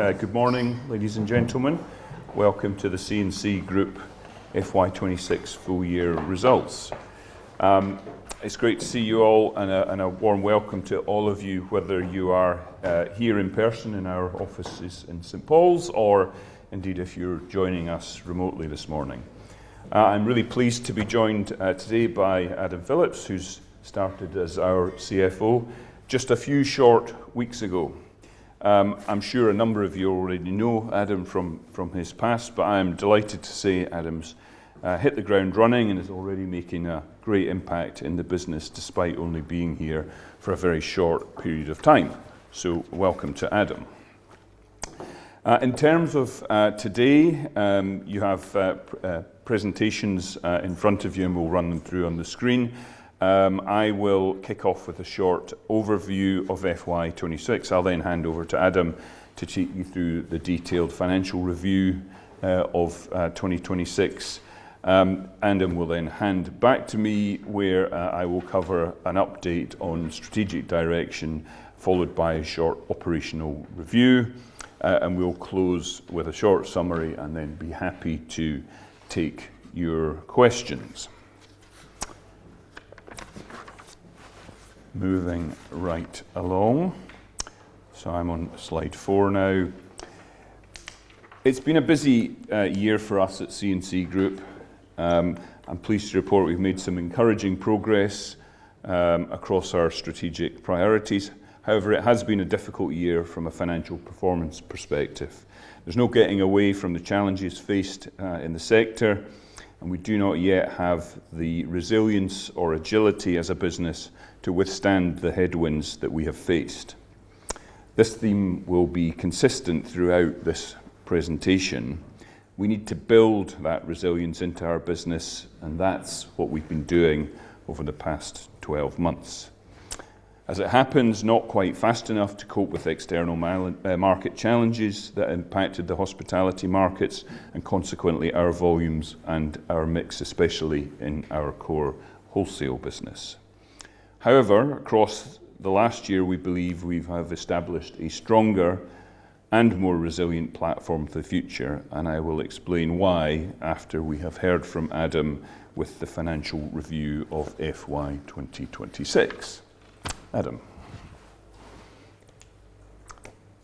Good morning, ladies and gentlemen. Welcome to the C&C Group FY 2026 full year results. It's great to see you all and a warm welcome to all of you, whether you are here in person in our offices in St. Paul's or indeed if you're joining us remotely this morning. I'm really pleased to be joined today by Adam Phillips, who's started as our CFO just a few short weeks ago. I'm sure a number of you already know Adam from his past, but I am delighted to say Adam's hit the ground running and is already making a great impact in the business despite only being here for a very short period of time. Welcome to Adam. In terms of today, you have presentations in front of you, and we'll run them through on the screen. I will kick off with a short overview of FY 2026. I'll then hand over to Adam to take you through the detailed financial review of 2026. Adam will then hand back to me, where I will cover an update on strategic direction, followed by a short operational review. We'll close with a short summary and then be happy to take your questions. Moving right along. I'm on slide four now. It's been a busy year for us at C&C Group. I'm pleased to report we've made some encouraging progress across our strategic priorities. However, it has been a difficult year from a financial performance perspective. There's no getting away from the challenges faced in the sector, and we do not yet have the resilience or agility as a business to withstand the headwinds that we have faced. This theme will be consistent throughout this presentation. We need to build that resilience into our business, and that's what we've been doing over the past 12 months. As it happens, not quite fast enough to cope with external market challenges that impacted the hospitality markets and consequently our volumes and our mix, especially in our core wholesale business. However, across the last year, we believe we have established a stronger and more resilient platform for the future. I will explain why after we have heard from Adam with the financial review of FY 2026. Adam.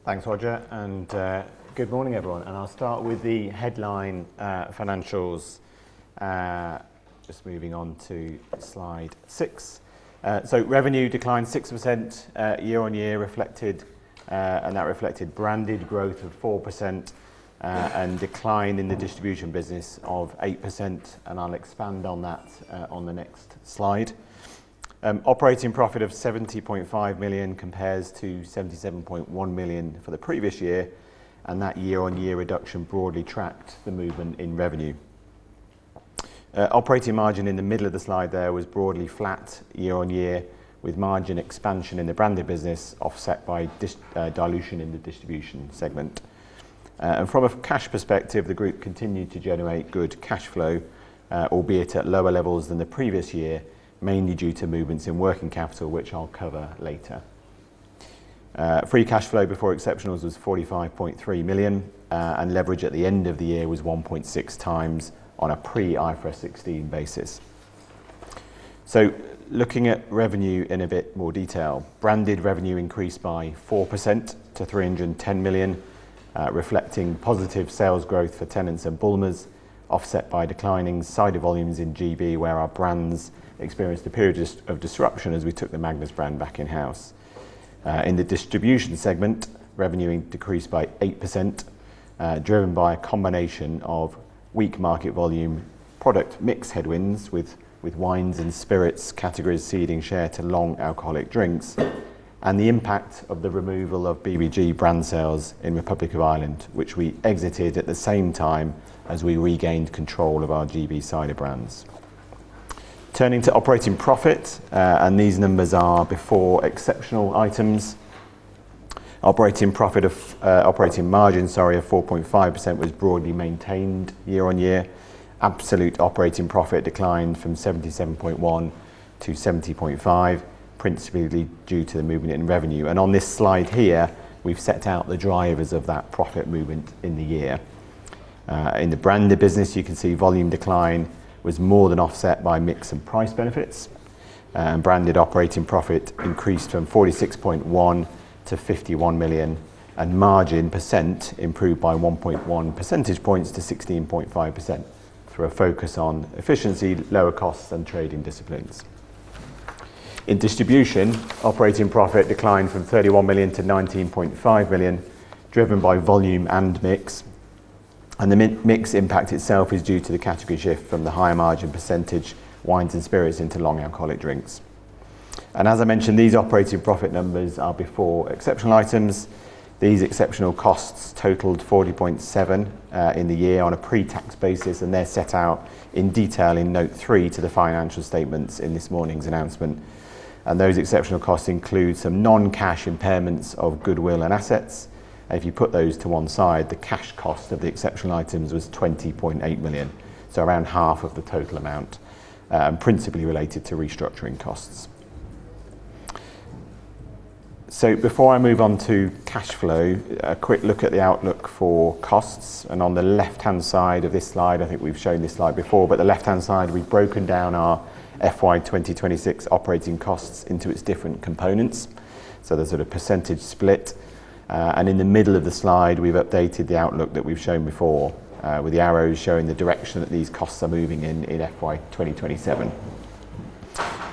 Thanks, Roger, good morning, everyone. I'll start with the headline financials. Just moving on to slide six. Revenue declined 6% year-on-year reflected, that reflected branded growth of 4%, decline in the distribution business of 8%, I'll expand on that on the next slide. Operating profit of 70.5 million compares to 77.1 million for the previous year, that year-on-year reduction broadly tracked the movement in revenue. Operating margin in the middle of the slide there was broadly flat year-on-year, with margin expansion in the branded business offset by dilution in the distribution segment. From a cash perspective, the group continued to generate good cash flow, albeit at lower levels than the previous year, mainly due to movements in working capital, which I'll cover later. Free cash flow before exceptionals was 45.3 million, and leverage at the end of the year was 1.6 times on a pre IFRS 16 basis. Looking at revenue in a bit more detail, branded revenue increased by 4% to 310 million, reflecting positive sales growth for Tennent's and Bulmers, offset by declining cider volumes in GB, where our brands experienced a period of disruption as we took the Magners brand back in-house. In the distribution segment, revenue decreased by 8%, driven by a combination of weak market volume product mix headwinds with wines and spirits categories ceding share to long alcoholic drinks, and the impact of the removal of BBG brand sales in Republic of Ireland, which we exited at the same time as we regained control of our GB cider brands. Turning to operating profit, these numbers are before exceptional items. Operating profit of operating margin, sorry, of 4.5% was broadly maintained year-on-year. Absolute operating profit declined from 77.1 to 70.5, principally due to the movement in revenue. On this slide here, we've set out the drivers of that profit movement in the year. In the branded business, you can see volume decline was more than offset by mix and price benefits. Branded operating profit increased from 46.1 to 51 million, margin percent improved by 1.1 percentage points to 16.5% through a focus on efficiency, lower costs and trading disciplines. In distribution, operating profit declined from 31 million to 19.5 million, driven by volume and mix. The mix impact itself is due to the category shift from the higher margin percentage wines and spirits into long alcoholic drinks. As I mentioned, these operating profit numbers are before exceptional items. These exceptional costs totaled 40.7 in the year on a pre-tax basis, they're set out in detail in note three to the financial statements in this morning's announcement. Those exceptional costs include some non-cash impairments of goodwill and assets. If you put those to one side, the cash cost of the exceptional items was 20.8 million, so around half of the total amount, principally related to restructuring costs. Before I move on to cash flow, a quick look at the outlook for costs. On the left-hand side of this slide, I think we've shown this slide before, but the left-hand side, we've broken down our FY 2026 operating costs into its different components, the sort of percentage split. In the middle of the slide, we've updated the outlook that we've shown before, with the arrows showing the direction that these costs are moving in FY 2027.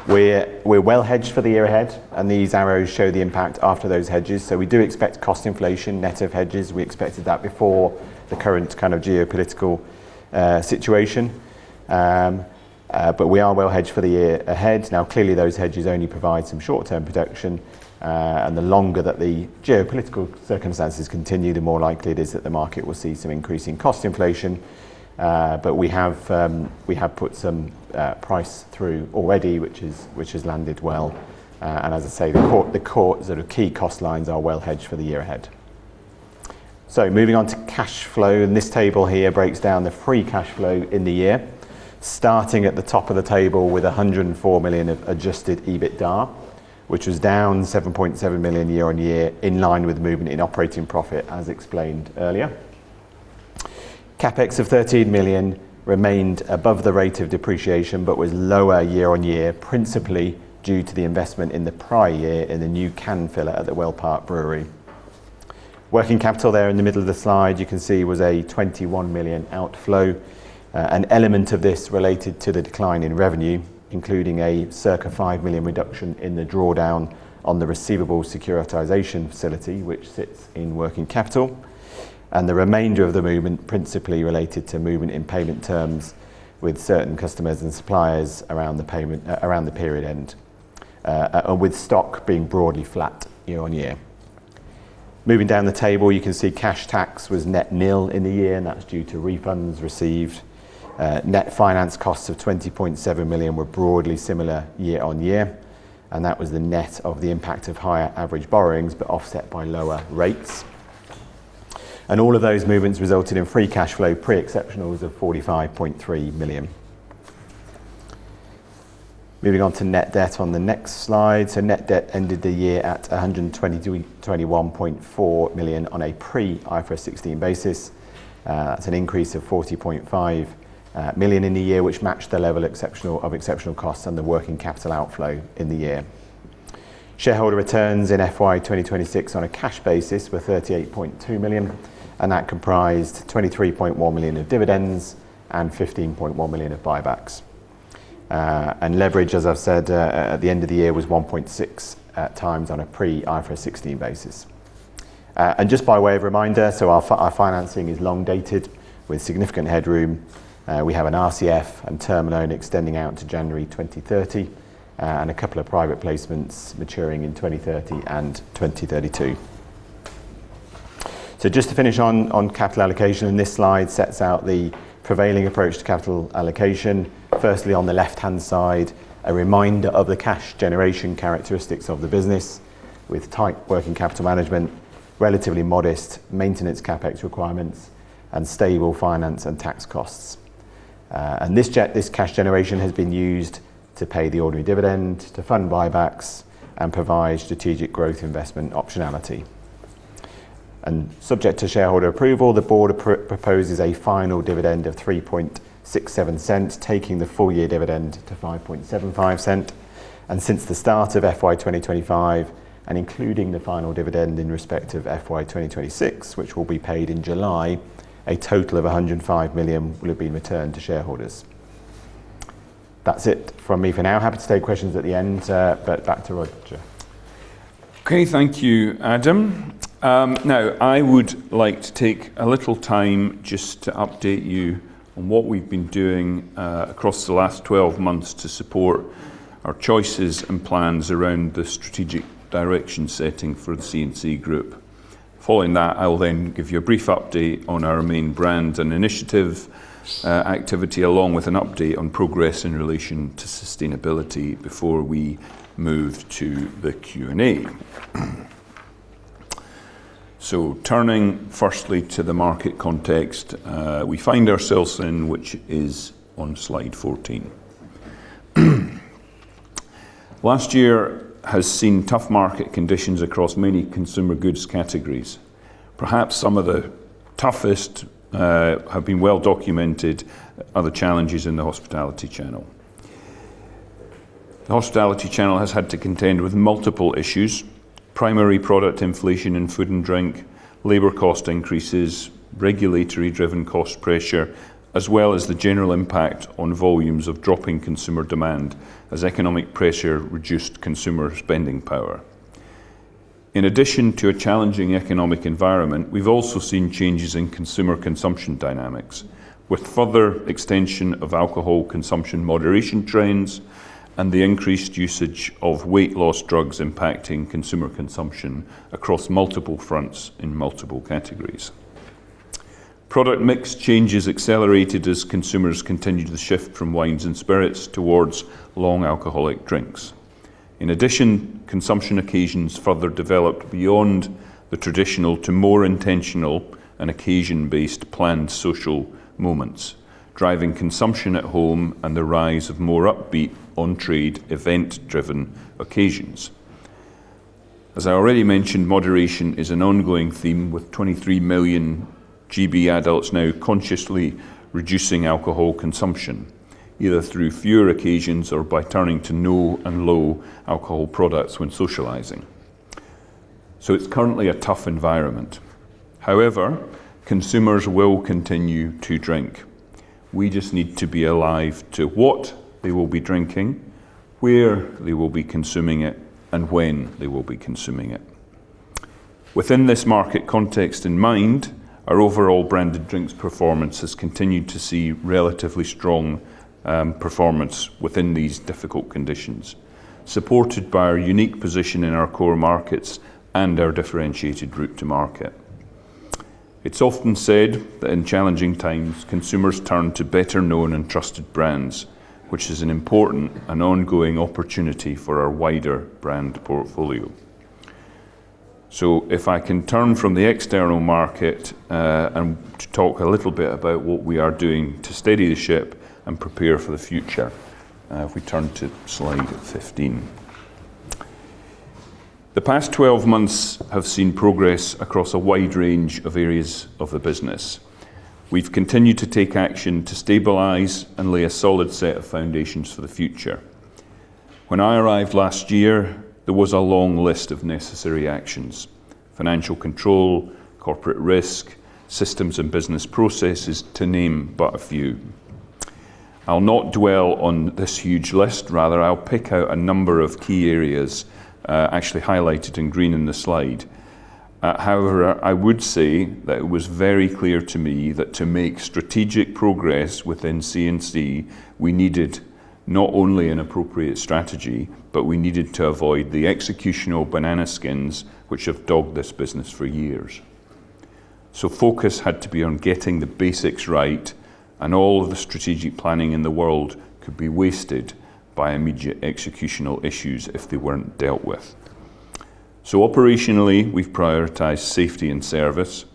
We're well hedged for the year ahead, and these arrows show the impact after those hedges. We do expect cost inflation net of hedges. We expected that before the current kind of geopolitical situation. We are well hedged for the year ahead. Clearly, those hedges only provide some short-term protection. The longer that the geopolitical circumstances continue, the more likely it is that the market will see some increasing cost inflation. We have put some price through already, which has landed well. As I say, the core sort of key cost lines are well hedged for the year ahead. Moving on to cash flow, this table here breaks down the free cash flow in the year, starting at the top of the table with 104 million of adjusted EBITDA, which was down 7.7 million year-on-year in line with movement in operating profit as explained earlier. CapEx of 13 million remained above the rate of depreciation but was lower year on year, principally due to the investment in the prior year in the new can filler at the Wellpark Brewery. Working capital there in the middle of the slide, you can see was a 21 million outflow. An element of this related to the decline in revenue, including a circa 5 million reduction in the drawdown on the receivable securitization facility, which sits in working capital. The remainder of the movement principally related to movement in payment terms with certain customers and suppliers around the payment, around the period end, and with stock being broadly flat year on year. Moving down the table, you can see cash tax was net nil in the year, and that's due to refunds received. Net finance costs of 20.7 million were broadly similar year-on-year, that was the net of the impact of higher average borrowings, offset by lower rates. All of those movements resulted in free cash flow pre-exceptionals of 45.3 million. Moving on to net debt on the next slide. Net debt ended the year at 122 and 21.4 million on a pre IFRS 16 basis. That's an increase of 40.5 million in the year, which matched the level of exceptional costs and the working capital outflow in the year. Shareholder returns in FY 2026 on a cash basis were 38.2 million, that comprised 23.1 million of dividends and 15.1 million of buybacks. Leverage, as I've said, at the end of the year, was 1.6 at times on a pre IFRS 16 basis. Just by way of reminder, our financing is long dated with significant headroom. We have an RCF and term loan extending out to January 2030, and a couple of private placements maturing in 2030 and 2032. Just to finish on capital allocation, this slide sets out the prevailing approach to capital allocation. Firstly, on the left-hand side, a reminder of the cash generation characteristics of the business with tight working capital management, relatively modest maintenance CapEx requirements, and stable finance and tax costs. This cash generation has been used to pay the ordinary dividend, to fund buybacks, and provide strategic growth investment optionality. Subject to shareholder approval, the board proposes a final dividend of 0.0367, taking the full-year dividend to 0.0575. Since the start of FY 2025, and including the final dividend in respect of FY 2026, which will be paid in July, a total of 105 million will have been returned to shareholders. That's it from me for now. Happy to take questions at the end. Back to Roger. Okay. Thank you, Adam. I would like to take a little time just to update you on what we've been doing across the last 12 months to support our choices and plans around the strategic direction setting for the C&C Group. I will then give you a brief update on our main brand and initiative activity, along with an update on progress in relation to sustainability before we move to the Q&A. Turning firstly to the market context we find ourselves in, which is on slide 14. Last year has seen tough market conditions across many consumer goods categories. Perhaps some of the toughest have been well documented are the challenges in the hospitality channel. The hospitality channel has had to contend with multiple issues, primary product inflation in food and drink, labor cost increases, regulatory-driven cost pressure, as well as the general impact on volumes of dropping consumer demand as economic pressure reduced consumer spending power. In addition to a challenging economic environment, we've also seen changes in consumer consumption dynamics, with further extension of alcohol consumption moderation trends and the increased usage of weight loss drugs impacting consumer consumption across multiple fronts in multiple categories. Product mix changes accelerated as consumers continued to shift from wines and spirits towards long alcoholic drinks. In addition, consumption occasions further developed beyond the traditional to more intentional and occasion-based planned social moments, driving consumption at home and the rise of more upbeat on-trade event-driven occasions. As I already mentioned, moderation is an ongoing theme with 23 million GB adults now consciously reducing alcohol consumption, either through fewer occasions or by turning to no and low alcohol products when socializing. It's currently a tough environment. However, consumers will continue to drink. We just need to be alive to what they will be drinking, where they will be consuming it, and when they will be consuming it. Within this market context in mind, our overall branded drinks performance has continued to see relatively strong performance within these difficult conditions, supported by our unique position in our core markets and our differentiated route to market. It's often said that in challenging times, consumers turn to better known and trusted brands, which is an important and ongoing opportunity for our wider brand portfolio. If I can turn from the external market and to talk a little bit about what we are doing to steady the ship and prepare for the future, if we turn to slide 15. The past 12 months have seen progress across a wide range of areas of the business. We've continued to take action to stabilize and lay a solid set of foundations for the future. When I arrived last year, there was a long list of necessary actions, financial control, corporate risk, systems and business processes, to name but a few. I'll not dwell on this huge list. Rather, I'll pick out a number of key areas, actually highlighted in green in the slide. However, I would say that it was very clear to me that to make strategic progress within C&C, we needed not only an appropriate strategy, but we needed to avoid the executional banana skins which have dogged this business for years. Focus had to be on getting the basics right, and all of the strategic planning in the world could be wasted by immediate executional issues if they weren't dealt with. Operationally, we've prioritized safety and service.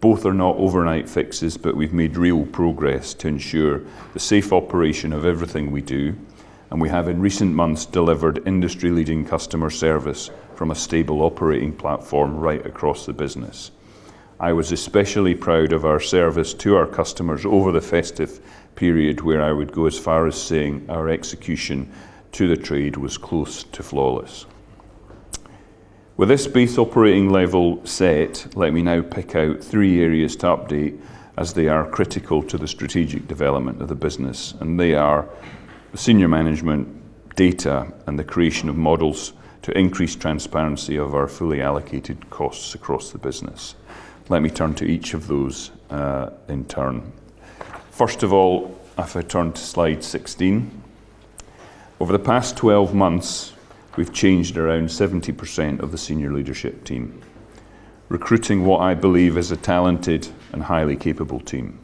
Both are not overnight fixes, but we've made real progress to ensure the safe operation of everything we do, and we have in recent months delivered industry-leading customer service from a stable operating platform right across the business. I was especially proud of our service to our customers over the festive period, where I would go as far as saying our execution to the trade was close to flawless. With this base operating level set, let me now pick out three areas to update as they are critical to the strategic development of the business, and they are senior management data and the creation of models to increase transparency of our fully allocated costs across the business. Let me turn to each of those in turn. First of all, if I turn to slide 16. Over the past 12 months, we've changed around 70% of the senior leadership team, recruiting what I believe is a talented and highly capable team.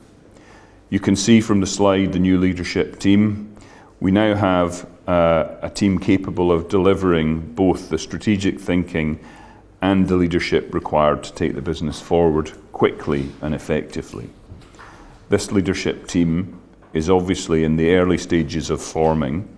You can see from the slide the new leadership team. We now have a team capable of delivering both the strategic thinking and the leadership required to take the business forward quickly and effectively. This leadership team is obviously in the early stages of forming,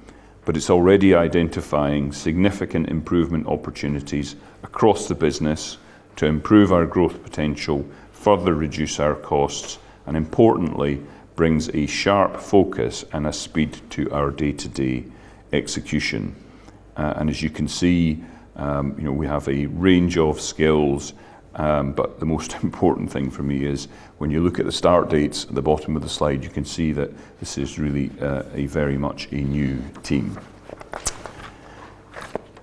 but it's already identifying significant improvement opportunities across the business to improve our growth potential, further reduce our costs, and importantly, brings a sharp focus and a speed to our day-to-day execution. As you can see, you know, we have a range of skills. The most important thing for me is when you look at the start dates at the bottom of the slide, you can see that this is really a very much a new team.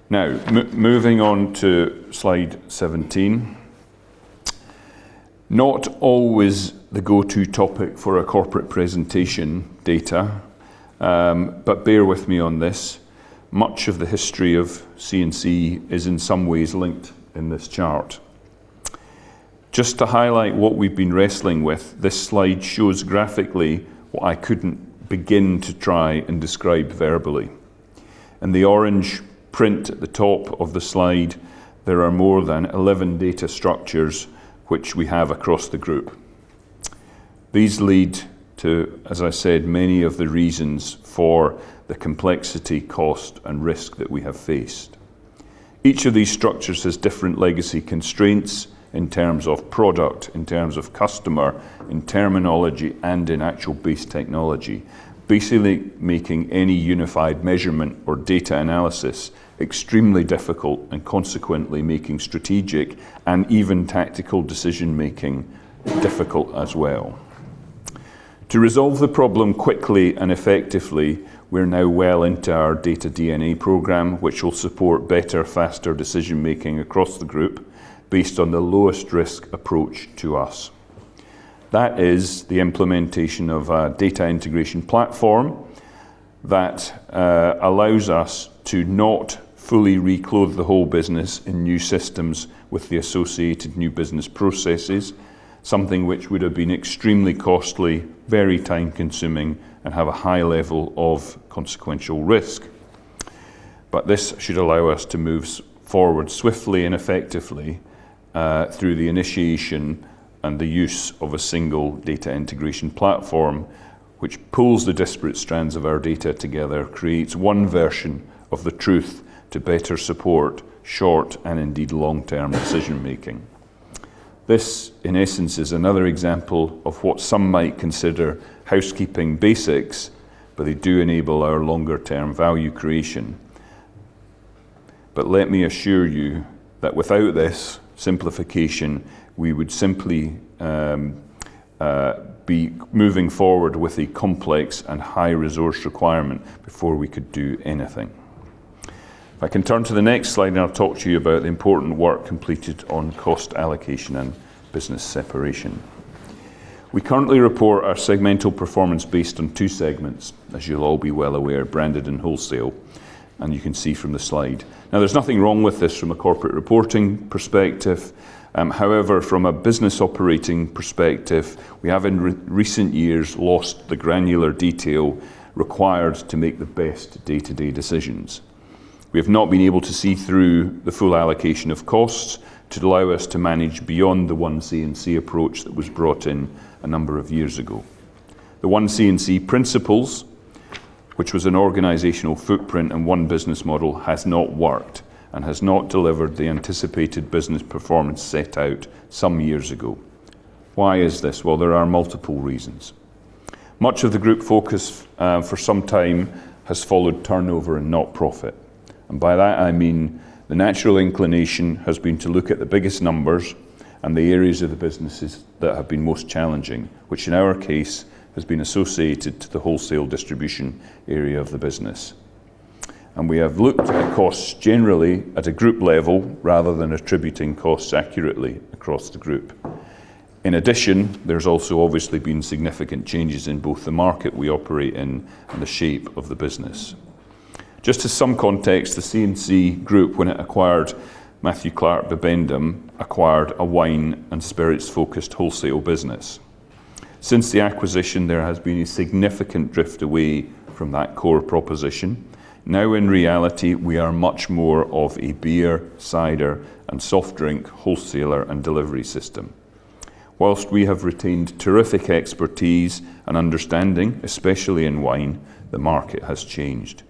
Moving on to slide 17. Not always the go-to topic for a corporate presentation data. Bear with me on this. Much of the history of C&C is in some ways linked in this chart. Just to highlight what we've been wrestling with, this slide shows graphically what I couldn't begin to try and describe verbally. In the orange print at the top of the slide, there are more than 11 data structures which we have across the Group. These lead to, as I said, many of the reasons for the complexity, cost, and risk that we have faced. Each of these structures has different legacy constraints in terms of product, in terms of customer, in terminology, and in actual base technology, basically making any unified measurement or data analysis extremely difficult and consequently making strategic and even tactical decision-making difficult as well. To resolve the problem quickly and effectively, we're now well into our Data DNA program, which will support better, faster decision-making across the Group based on the lowest risk approach to us. That is the implementation of a data integration platform that allows us to not fully reclothe the whole business in new systems with the associated new business processes, something which would have been extremely costly, very time-consuming, and have a high level of consequential risk. This should allow us to move forward swiftly and effectively. Through the initiation and the use of a single data integration platform, which pulls the disparate strands of our data together, creates one version of the truth to better support short and indeed long-term decision-making. This, in essence, is another example of what some might consider housekeeping basics, but they do enable our longer-term value creation. Let me assure you that without this simplification, we would simply be moving forward with a complex and high resource requirement before we could do anything. If I can turn to the next slide, and I'll talk to you about the important work completed on cost allocation and business separation. We currently report our segmental performance based on two segments, as you'll all be well aware, branded and wholesale, and you can see from the slide. There's nothing wrong with this from a corporate reporting perspective. However, from a business operating perspective, we have in recent years lost the granular detail required to make the best day-to-day decisions. We have not been able to see through the full allocation of costs to allow us to manage beyond the One C&C approach that was brought in a number of years ago. The One C&C principles, which was an organizational footprint and one business model, has not worked and has not delivered the anticipated business performance set out some years ago. Why is this? Well, there are multiple reasons. Much of the Group focus for some time has followed turnover and not profit. By that I mean the natural inclination has been to look at the biggest numbers and the areas of the businesses that have been most challenging, which in our case has been associated to the wholesale distribution area of the business. We have looked at costs generally at a Group level rather than attributing costs accurately across the Group. In addition, there's also obviously been significant changes in both the market we operate in and the shape of the business. Just as some context, the C&C Group, when it acquired Matthew Clark and Bibendum, acquired a wine and spirits-focused wholesale business. Since the acquisition, there has been a significant drift away from that core proposition. Now in reality, we are much more of a beer, cider, and soft drink wholesaler and delivery system. Whilst we have retained terrific expertise and understanding, especially in wine, the market has changed.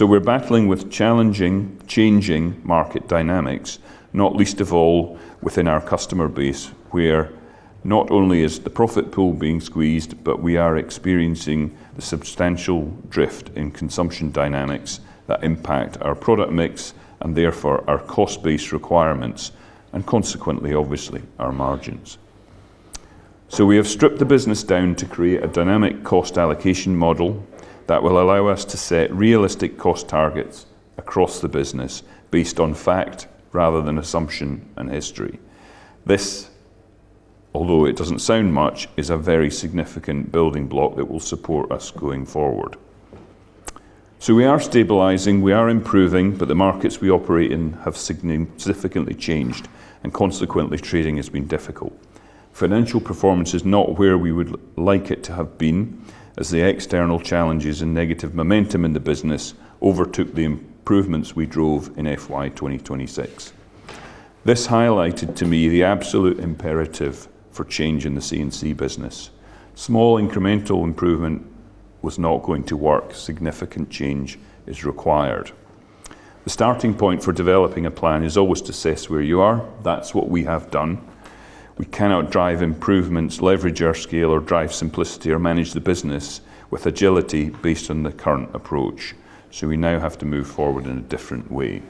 We're battling with challenging, changing market dynamics, not least of all within our customer base, where not only is the profit pool being squeezed, but we are experiencing the substantial drift in consumption dynamics that impact our product mix and therefore our cost base requirements and consequently, obviously, our margins. We have stripped the business down to create a dynamic cost allocation model that will allow us to set realistic cost targets across the business based on fact rather than assumption and history. This, although it doesn't sound much, is a very significant building block that will support us going forward. We are stabilizing, we are improving, but the markets we operate in have significantly changed and consequently trading has been difficult. Financial performance is not where we would like it to have been as the external challenges and negative momentum in the business overtook the improvements we drove in FY 2026. This highlighted to me the absolute imperative for change in the C&C business. Small incremental improvement was not going to work. Significant change is required. The starting point for developing a plan is always to assess where you are. That's what we have done. We cannot drive improvements, leverage our scale, or drive simplicity or manage the business with agility based on the current approach. We now have to move forward in a different way.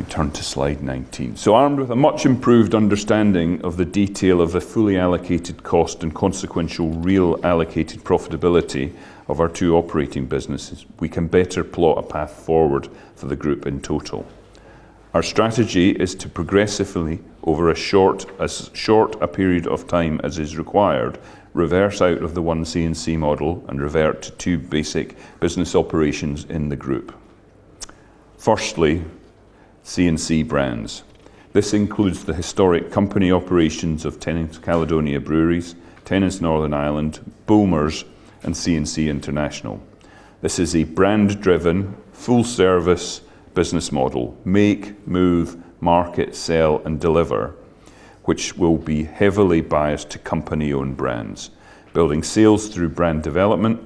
We turn to slide 19. Armed with a much improved understanding of the detail of the fully allocated cost and consequential real allocated profitability of our two operating businesses, we can better plot a path forward for the Group in total. Our strategy is to progressively, over a short, as short a period of time as is required, reverse out of the One C&C model and revert to two basic business operations in the Group. Firstly, C&C Brands. This includes the historic company operations of Tennent Caledonian Breweries, Tennent's Northern Ireland, Bulmers, and C&C International. This is a brand-driven, full-service business model, make, move, market, sell, and deliver, which will be heavily biased to company-owned brands, building sales through brand development,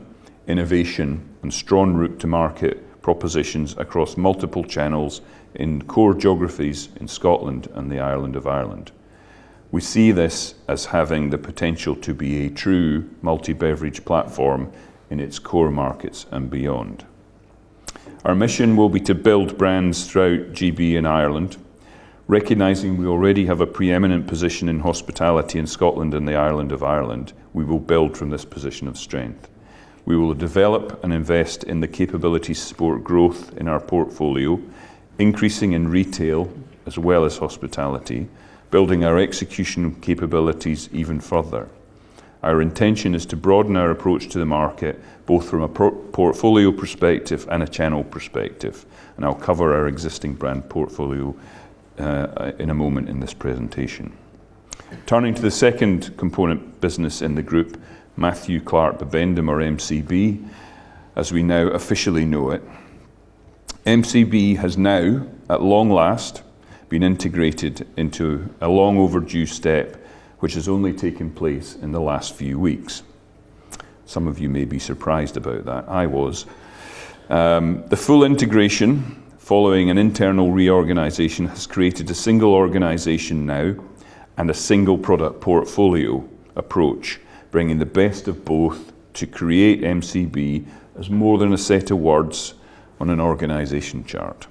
innovation, and strong route to market propositions across multiple channels in core geographies in Scotland and the island of Ireland. We see this as having the potential to be a true multi-beverage platform in its core markets and beyond. Our mission will be to build brands throughout GB and Ireland. Recognizing we already have a preeminent position in hospitality in Scotland and the island of Ireland, we will build from this position of strength. We will develop and invest in the capabilities to support growth in our portfolio, increasing in retail as well as hospitality, building our execution capabilities even further. Our intention is to broaden our approach to the market, both from a portfolio perspective and a channel perspective, and I'll cover our existing brand portfolio in a moment in this presentation. Turning to the second component business in the group, Matthew Clark and Bibendum, or MCB, as we now officially know it. MCB has now, at long last, been integrated into a long overdue step which has only taken place in the last few weeks. Some of you may be surprised about that. I was. The full integration following an internal reorganization has created a single organization now and a single product portfolio approach, bringing the best of both to create MCB as more than a set of words on an organization chart.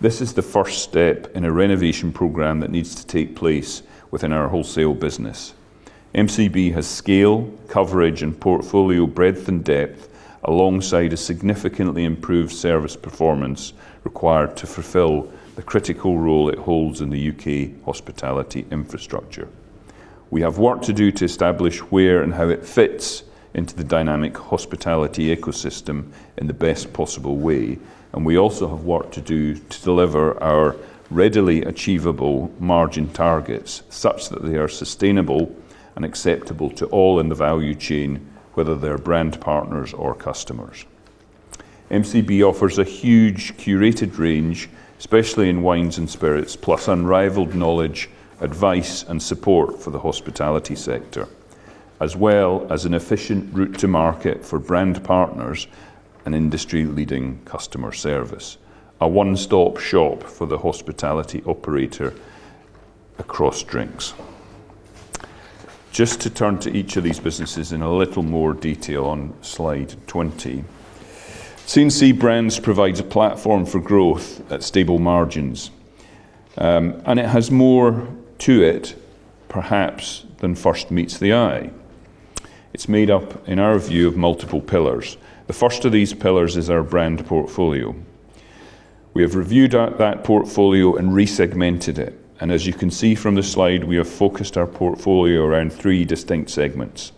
This is the first step in a renovation program that needs to take place within our wholesale business. MCB has scale, coverage, and portfolio breadth and depth alongside a significantly improved service performance required to fulfill the critical role it holds in the U.K. hospitality infrastructure. We have work to do to establish where and how it fits into the dynamic hospitality ecosystem in the best possible way, and we also have work to do to deliver our readily achievable margin targets such that they are sustainable and acceptable to all in the value chain, whether they're brand partners or customers. MCB offers a huge curated range, especially in wines and spirits, plus unrivaled knowledge, advice, and support for the hospitality sector, as well as an efficient route to market for brand partners and industry-leading customer service. A one-stop shop for the hospitality operator across drinks. Just to turn to each of these businesses in a little more detail on slide 20. C&C Brands provides a platform for growth at stable margins, and it has more to it perhaps than first meets the eye. It's made up, in our view, of multiple pillars. The first of these pillars is our brand portfolio. We have reviewed that portfolio and re-segmented it. As you can see from the slide, we have focused our portfolio around three distinct segments.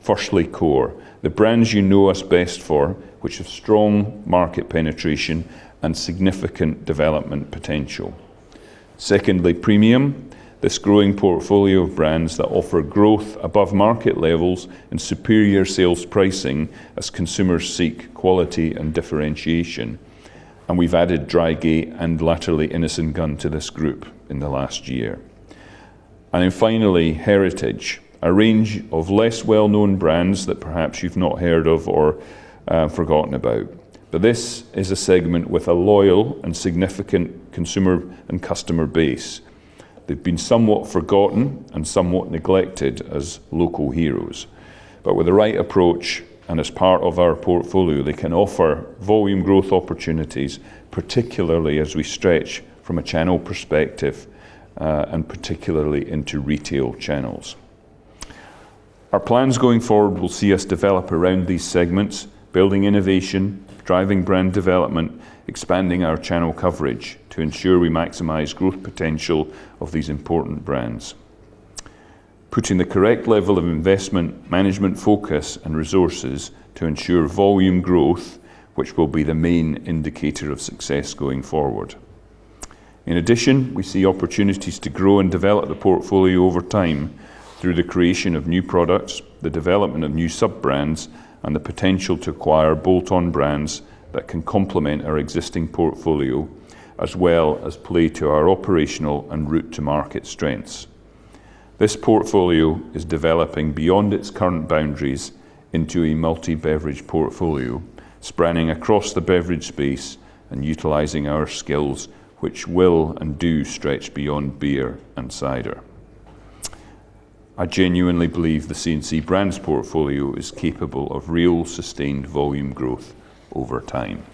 Firstly, core, the brands you know us best for, which have strong market penetration and significant development potential. Secondly, premium, this growing portfolio of brands that offer growth above market levels and superior sales pricing as consumers seek quality and differentiation. We've added Drygate and latterly Innis & Gunn to this group in the last year. Finally, heritage, a range of less well-known brands that perhaps you've not heard of or forgotten about. This is a segment with a loyal and significant consumer and customer base. They've been somewhat forgotten and somewhat neglected as local heroes. With the right approach and as part of our portfolio, they can offer volume growth opportunities, particularly as we stretch from a channel perspective, and particularly into retail channels. Our plans going forward will see us develop around these segments, building innovation, driving brand development, expanding our channel coverage to ensure we maximize growth potential of these important brands. Putting the correct level of investment, management focus, and resources to ensure volume growth, which will be the main indicator of success going forward. In addition, we see opportunities to grow and develop the portfolio over time through the creation of new products, the development of new sub-brands, and the potential to acquire bolt-on brands that can complement our existing portfolio, as well as play to our operational and route to market strengths. This portfolio is developing beyond its current boundaries into a multi-beverage portfolio, spanning across the beverage space and utilizing our skills, which will and do stretch beyond beer and cider. I genuinely believe the C&C Brands portfolio is capable of real sustained volume growth over time.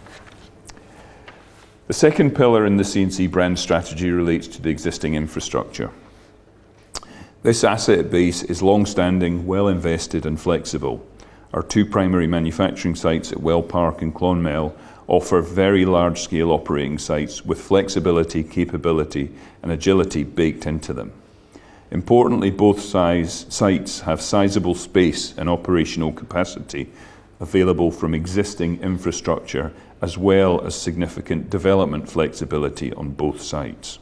The second pillar in the C&C Brands strategy relates to the existing infrastructure. This asset base is long-standing, well-invested, and flexible. Our two primary manufacturing sites at Wellpark and Clonmel offer very large-scale operating sites with flexibility, capability, and agility baked into them. Importantly, both sites have sizable space and operational capacity available from existing infrastructure, as well as significant development flexibility on both sites.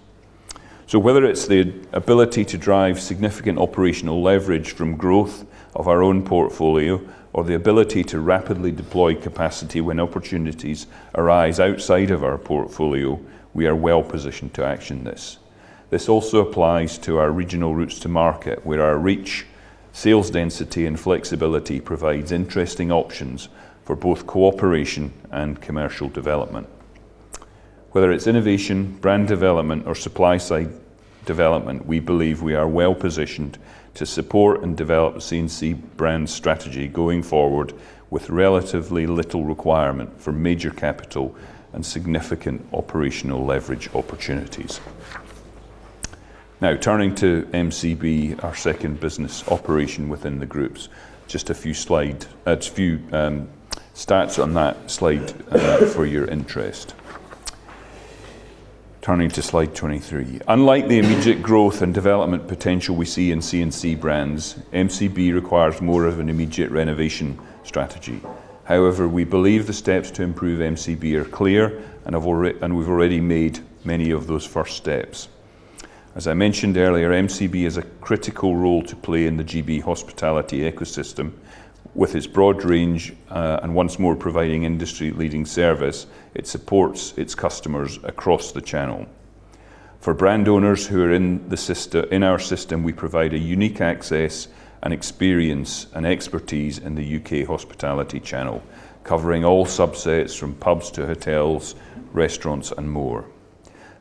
Whether it's the ability to drive significant operational leverage from growth of our own portfolio or the ability to rapidly deploy capacity when opportunities arise outside of our portfolio, we are well-positioned to action this. This also applies to our regional routes to market, where our reach, sales density, and flexibility provides interesting options for both cooperation and commercial development. Whether it's innovation, brand development, or supply site development, we believe we are well-positioned to support and develop the C&C Brands strategy going forward with relatively little requirement for major capital and significant operational leverage opportunities. Now, turning to MCB, our second business operation within the groups, just a few stats on that slide for your interest. Turning to slide 23. Unlike the immediate growth and development potential we see in C&C Brands, MCB requires more of an immediate renovation strategy. However, we believe the steps to improve MCB are clear and we've already made many of those first steps. As I mentioned earlier, MCB has a critical role to play in the G.B. hospitality ecosystem. With its broad range, and once more providing industry-leading service, it supports its customers across the channel. For brand owners who are in our system, we provide a unique access and experience and expertise in the U.K. hospitality channel, covering all subsets from pubs to hotels, restaurants, and more.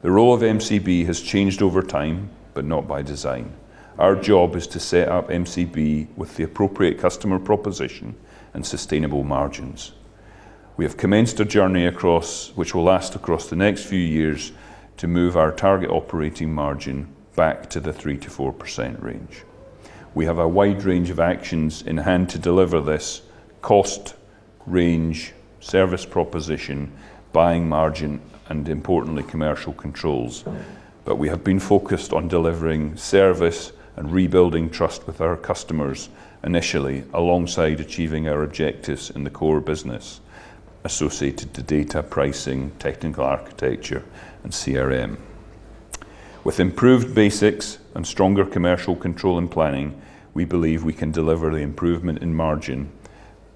The role of MCB has changed over time, not by design. Our job is to set up MCB with the appropriate customer proposition and sustainable margins. We have commenced a journey across, which will last across the next few years to move our target operating margin back to the 3%-4% range. We have a wide range of actions in hand to deliver this cost range, service proposition, buying margin, and importantly, commercial controls. We have been focused on delivering service and rebuilding trust with our customers initially, alongside achieving our objectives in the core business associated to data pricing, technical architecture, and CRM. With improved basics and stronger commercial control and planning, we believe we can deliver the improvement in margin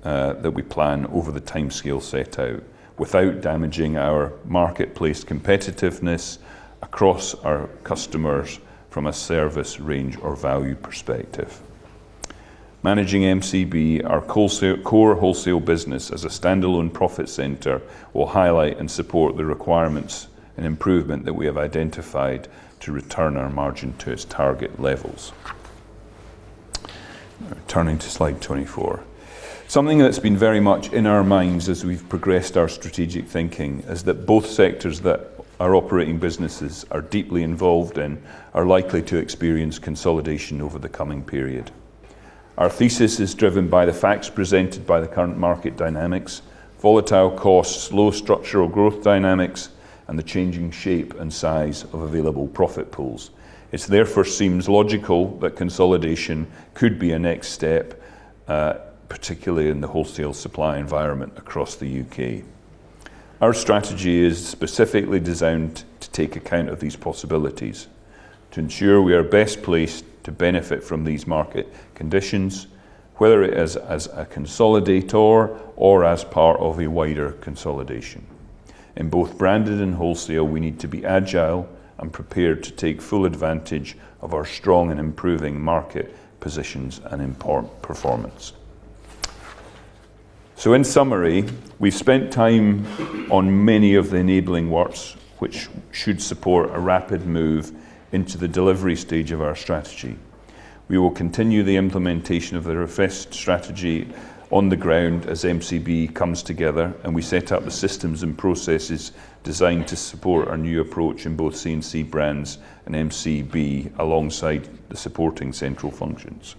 that we plan over the timescale set out without damaging our marketplace competitiveness across our customers from a service range or value perspective. Managing MCB, our core wholesale business as a standalone profit center will highlight and support the requirements and improvement that we have identified to return our margin to its target levels. Turning to Slide 24. Something that's been very much in our minds as we've progressed our strategic thinking is that both sectors that our operating businesses are deeply involved in are likely to experience consolidation over the coming period. Our thesis is driven by the facts presented by the current market dynamics, volatile costs, low structural growth dynamics, and the changing shape and size of available profit pools. It therefore seems logical that consolidation could be a next step, particularly in the wholesale supply environment across the U.K. Our strategy is specifically designed to take account of these possibilities to ensure we are best placed to benefit from these market conditions, whether it is as a consolidator or as part of a wider consolidation. In both branded and wholesale, we need to be agile and prepared to take full advantage of our strong and improving market positions and import performance. In summary, we've spent time on many of the enabling works which should support a rapid move into the delivery stage of our strategy. We will continue the implementation of the refreshed strategy on the ground as MCB comes together, and we set up the systems and processes designed to support our new approach in both C&C Brands and MCB, alongside the supporting central functions.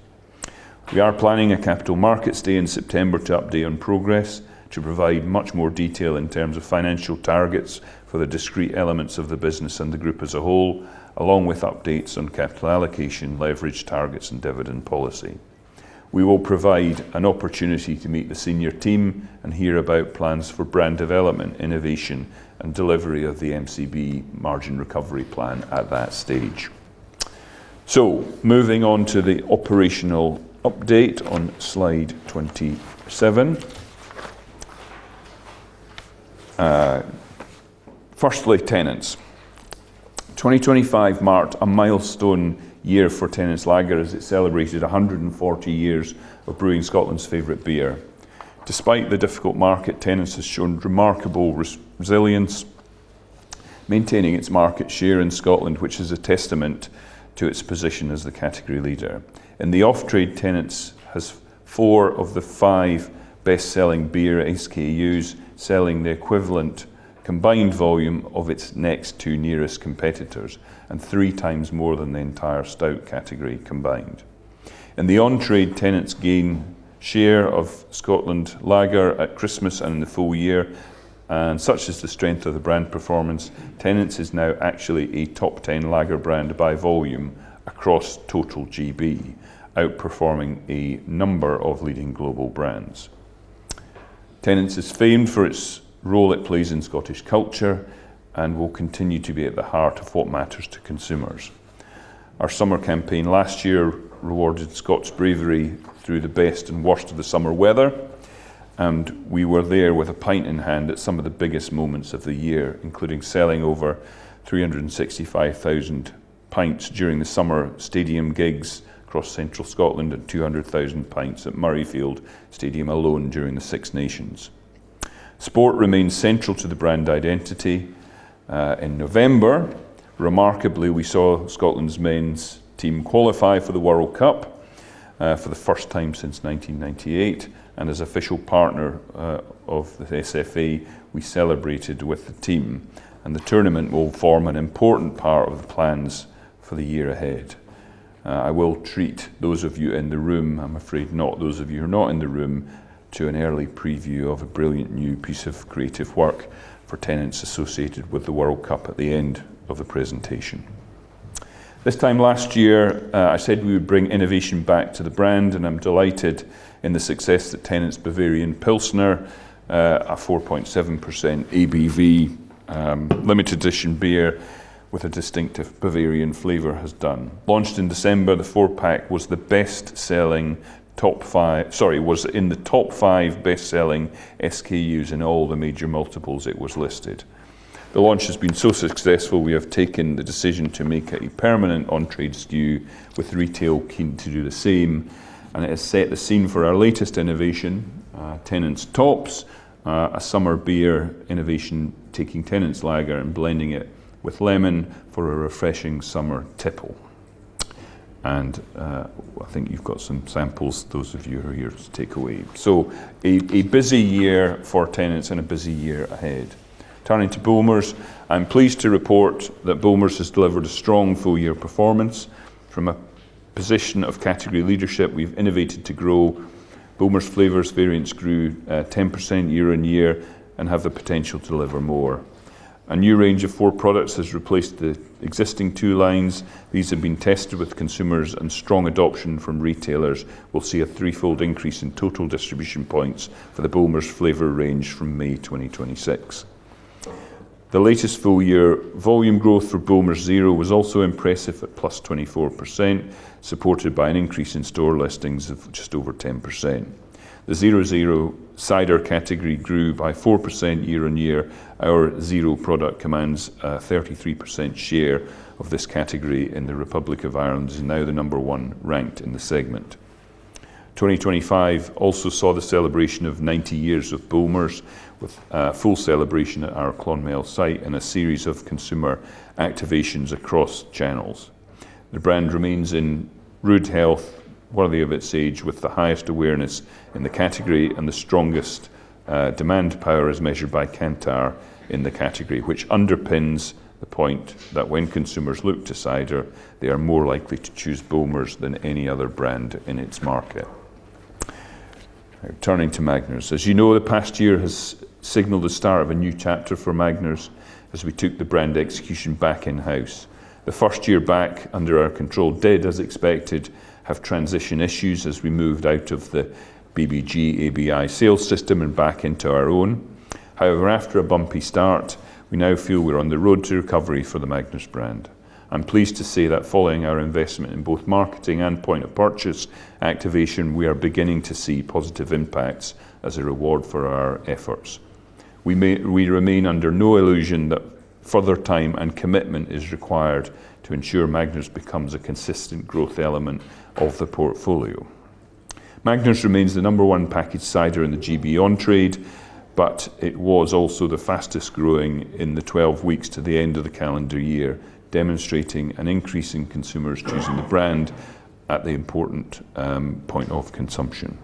We are planning a Capital Markets Day in September to update on progress, to provide much more detail in terms of financial targets for the discrete elements of the business and the group as a whole, along with updates on capital allocation, leverage targets, and dividend policy. We will provide an opportunity to meet the senior team and hear about plans for brand development, innovation, and delivery of the MCB margin recovery plan at that stage. Moving on to the operational update on Slide 27. Firstly, Tennent's. 2025 marked a milestone year for Tennent's Lager as it celebrated 140 years of brewing Scotland's favorite beer. Despite the difficult market, Tennent's has shown remarkable resilience, maintaining its market share in Scotland, which is a testament to its position as the category leader. In the off-trade, Tennent's has four of the five best-selling beer SKUs, selling the equivalent combined volume of its next two nearest competitors and three times more than the entire stout category combined. In the on-trade, Tennent's gained share of Scotland lager at Christmas and the full year. Such is the strength of the brand performance, Tennent's is now actually a top 10 lager brand by volume across total GB, outperforming a number of leading global brands. Tennent's is famed for its role it plays in Scottish culture and will continue to be at the heart of what matters to consumers. Our summer campaign last year rewarded Scots' bravery through the best and worst of the summer weather. We were there with a pint in hand at some of the biggest moments of the year, including selling over 365,000 pints during the summer stadium gigs across central Scotland and 200,000 pints at Murrayfield Stadium alone during the Six Nations. Sport remains central to the brand identity. In November, remarkably, we saw Scotland's men's team qualify for the World Cup for the first time since 1998. As official partner of the SFA, we celebrated with the team. The tournament will form an important part of the plans for the year ahead. I will treat those of you in the room, I am afraid not those of you who are not in the room, to an early preview of a brilliant new piece of creative work for Tennent's associated with the World Cup at the end of the presentation. This time last year, I said we would bring innovation back to the brand, and I am delighted in the success that Tennent's Bavarian Pilsner, a 4.7% ABV, limited edition beer with a distinctive Bavarian flavor has done. Launched in December, the four-pack was in the top five best-selling SKUs in all the major multiples it was listed. The launch has been so successful we have taken the decision to make it a permanent on-trade SKU with retail keen to do the same. It has set the scene for our latest innovation, Tennent's Tops, a summer beer innovation taking Tennent's Lager and blending it with lemon for a refreshing summer tipple. I think you've got some samples, those of you who are here to take away. A busy year for Tennent's and a busy year ahead. Turning to Bulmers. I'm pleased to report that Bulmers has delivered a strong full-year performance. From a position of category leadership, we've innovated to grow. Bulmers flavors variants grew 10% year on year and have the potential to deliver more. A new range of four products has replaced the existing two lines. These have been tested with consumers and strong adoption from retailers will see a threefold increase in total distribution points for the Bulmers flavor range from May 2026. The latest full-year volume growth for Bulmers 0.0 was also impressive at +24%, supported by an increase in store listings of just over 10%. The 0.0 cider category grew by 4% year on year. Our 0.0 product commands a 33% share of this category in the Republic of Ireland, now the number one ranked in the segment. 2025 also saw the celebration of 90 years of Bulmers with a full celebration at our Clonmel site and a series of consumer activations across channels. The brand remains in rude health, worthy of its age with the highest awareness in the category and the strongest demand power as measured by Kantar in the category, which underpins the point that when consumers look to cider, they are more likely to choose Bulmers than any other brand in its market. Turning to Magners. As you know, the past year has signaled the start of a new chapter for Magners as we took the brand execution back in-house. The first year back under our control did, as expected, have transition issues as we moved out of the BBG ABI sales system and back into our own. After a bumpy start, we now feel we're on the road to recovery for the Magners brand. I'm pleased to say that following our investment in both marketing and point-of-purchase activation, we are beginning to see positive impacts as a reward for our efforts. We remain under no illusion that further time and commitment is required to ensure Magners becomes a consistent growth element of the portfolio. Magners remains the number one packaged cider in the GB on-trade, but it was also the fastest-growing in the 12 weeks to the end of the calendar year, demonstrating an increase in consumers choosing the brand at the important point of consumption.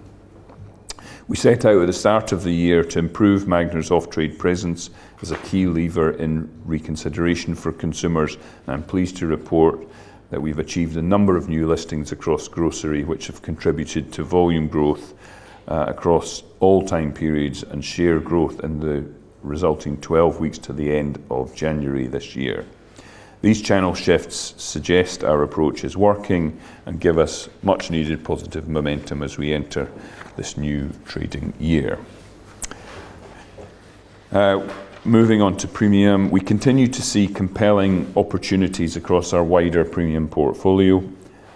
We set out at the start of the year to improve Magners' off-trade presence as a key lever in reconsideration for consumers. I'm pleased to report that we've achieved a number of new listings across grocery, which have contributed to volume growth across all time periods and share growth in the resulting 12 weeks to the end of January this year. These channel shifts suggest our approach is working and give us much-needed positive momentum as we enter this new trading year. Moving on to premium. We continue to see compelling opportunities across our wider premium portfolio.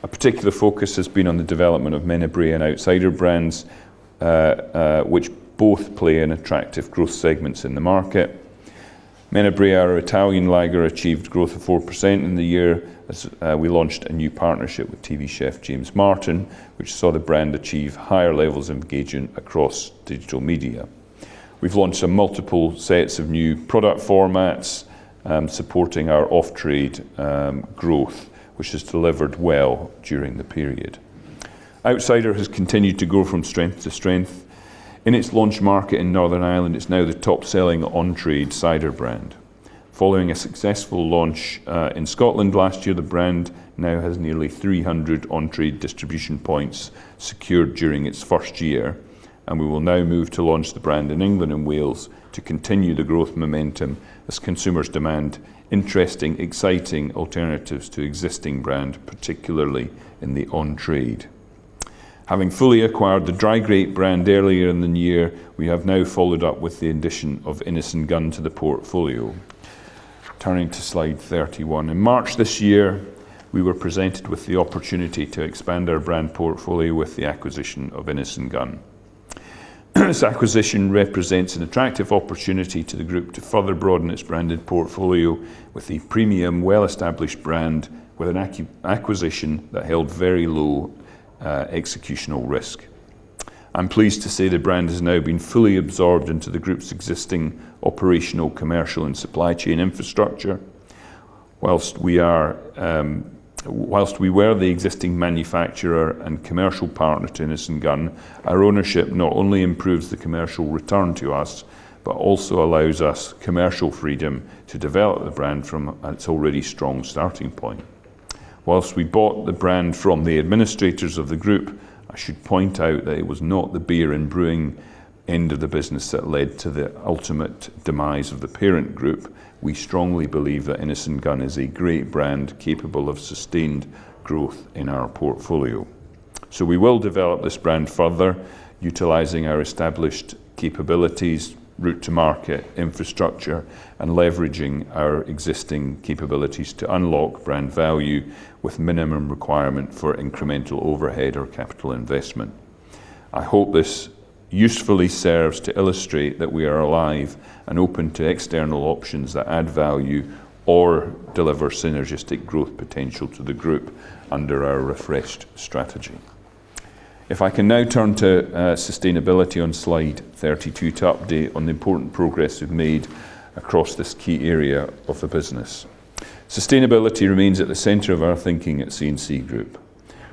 A particular focus has been on the development of Menabrea and Outcider brands, which both play in attractive growth segments in the market. Menabrea, our Italian lager, achieved growth of 4% in the year as we launched a new partnership with TV chef James Martin, which saw the brand achieve higher levels of engagement across digital media. We've launched some multiple sets of new product formats, supporting our off-trade growth, which has delivered well during the period. Outcider has continued to go from strength to strength. In its launch market in Northern Ireland, it's now the top-selling on-trade cider brand. Following a successful launch in Scotland last year, the brand now has nearly 300 on-trade distribution points secured during its first year. We will now move to launch the brand in England and Wales to continue the growth momentum as consumers demand interesting, exciting alternatives to existing brand, particularly in the on-trade. Having fully acquired the Drygate brand earlier in the year, we have now followed up with the addition of Innis & Gunn to the portfolio. Turning to Slide 31. In March this year, we were presented with the opportunity to expand our brand portfolio with the acquisition of Innis & Gunn. This acquisition represents an attractive opportunity to the group to further broaden its branded portfolio with a premium, well-established brand with an acquisition that held very low executional risk. I'm pleased to say the brand has now been fully absorbed into the group's existing operational, commercial, and supply chain infrastructure. Whilst we were the existing manufacturer and commercial partner to Innis & Gunn, our ownership not only improves the commercial return to us but also allows us commercial freedom to develop the brand from its already strong starting point. Whilst we bought the brand from the administrators of the group, I should point out that it was not the beer and brewing end of the business that led to the ultimate demise of the parent group. We strongly believe that Innis & Gunn is a great brand capable of sustained growth in our portfolio. We will develop this brand further, utilizing our established capabilities, route to market, infrastructure, and leveraging our existing capabilities to unlock brand value with minimum requirement for incremental overhead or capital investment. I hope this usefully serves to illustrate that we are alive and open to external options that add value or deliver synergistic growth potential to the group under our refreshed strategy. If I can now turn to sustainability on slide 32 to update on the important progress we've made across this key area of the business. Sustainability remains at the center of our thinking at C&C Group.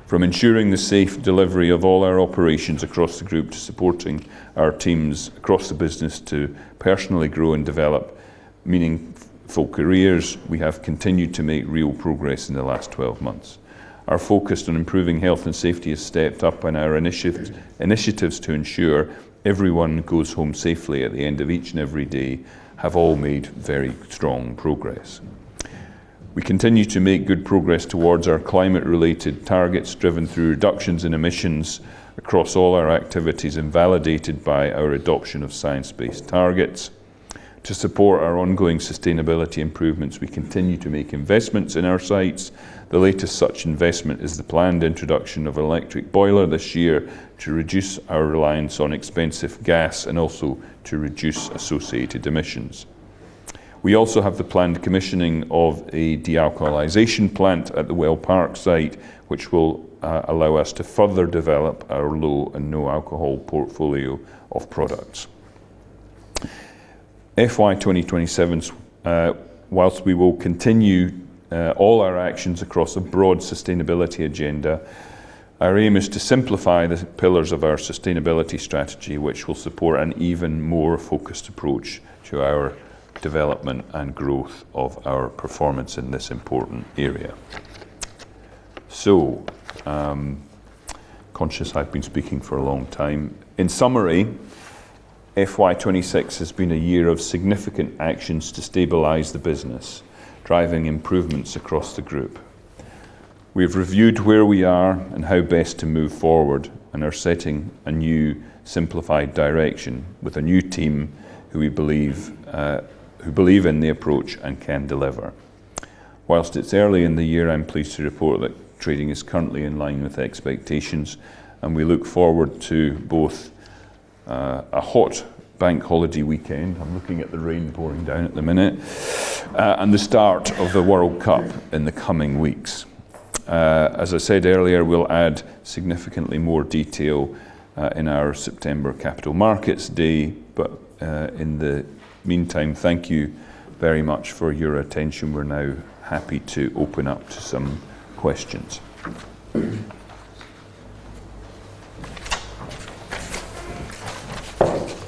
From ensuring the safe delivery of all our operations across the group to supporting our teams across the business to personally grow and develop meaningful careers, we have continued to make real progress in the last 12 months. Our focus on improving health and safety has stepped up, and our initiatives to ensure everyone goes home safely at the end of each and every day have all made very strong progress. We continue to make good progress towards our climate-related targets, driven through reductions in emissions across all our activities and validated by our adoption of science-based targets. To support our ongoing sustainability improvements, we continue to make investments in our sites. The latest such investment is the planned introduction of electric boiler this year to reduce our reliance on expensive gas and also to reduce associated emissions. We also have the planned commissioning of a dealcoholization plant at the Wellpark site, which will allow us to further develop our low and no alcohol portfolio of products. FY 2027, whilst we will continue all our actions across a broad sustainability agenda, our aim is to simplify the pillars of our sustainability strategy, which will support an even more focused approach to our development and growth of our performance in this important area. Conscious I've been speaking for a long time. In summary, FY 2026 has been a year of significant actions to stabilize the business, driving improvements across the group. We've reviewed where we are and how best to move forward and are setting a new simplified direction with a new team who believe in the approach and can deliver. Whilst it's early in the year, I'm pleased to report that trading is currently in line with expectations, and we look forward to both a hot bank holiday weekend, I'm looking at the rain pouring down at the minute, and the start of the World Cup in the coming weeks. As I said earlier, we'll add significantly more detail in our September Capital Markets Day. In the meantime, thank you very much for your attention. We're now happy to open up to some questions. Can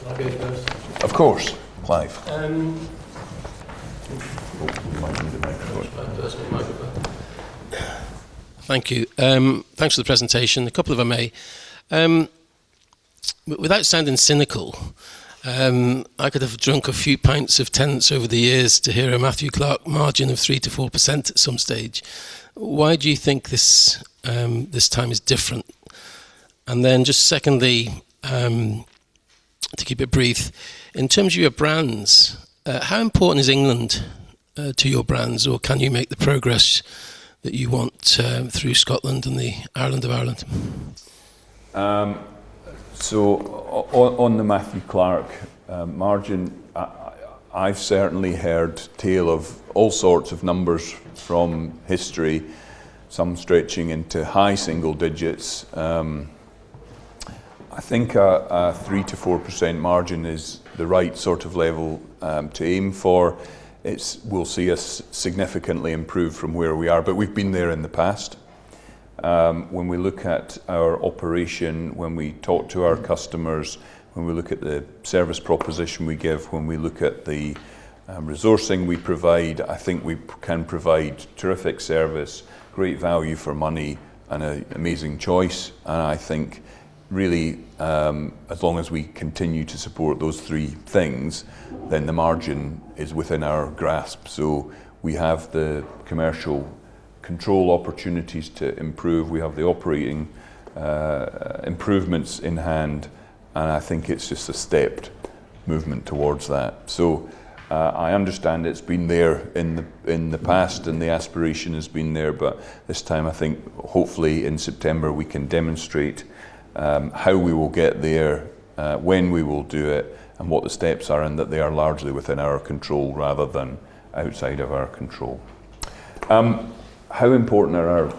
I be first? Of course. Clive. Um- Oh, you might need a microphone. Best get a microphone. Thank you. Thanks for the presentation. A couple if I may. Without sounding cynical, I could have drunk a few pints of Tennent's over the years to hear a Matthew Clark margin of 3%-4% at some stage. Why do you think this time is different? Then just secondly, to keep it brief, in terms of your brands, how important is England to your brands, or can you make the progress that you want through Scotland and the island of Ireland? On the Matthew Clark margin, I've certainly heard tale of all sorts of numbers from history, some stretching into high single digits. I think a 3%-4% margin is the right sort of level to aim for. It's will see us significantly improve from where we are, but we've been there in the past. When we look at our operation, when we talk to our customers, when we look at the service proposition we give, when we look at the resourcing we provide, I think we can provide terrific service, great value for money, and a amazing choice. I think really, as long as we continue to support those three things, then the margin is within our grasp. We have the commercial control opportunities to improve, we have the operating improvements in hand, and I think it's just a stepped movement towards that. I understand it's been there in the past and the aspiration has been there, but this time I think hopefully in September we can demonstrate how we will get there, when we will do it, and what the steps are, and that they are largely within our control rather than outside of our control. How important are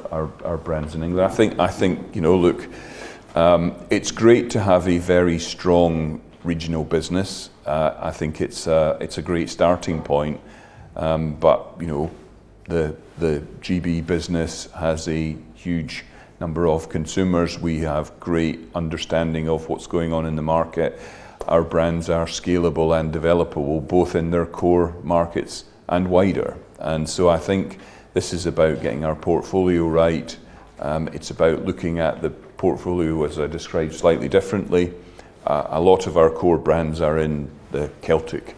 our brands in England? I think, you know, look, it's great to have a very strong regional business. I think it's a great starting point, but you know, the GB business has a huge number of consumers. We have great understanding of what's going on in the market. Our brands are scalable and developable, both in their core markets and wider. I think this is about getting our portfolio right. It's about looking at the portfolio, as I described, slightly differently. A lot of our core brands are in the Celtic